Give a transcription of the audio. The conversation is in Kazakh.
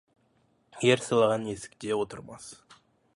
Ер сыйлаған есікте отырмас.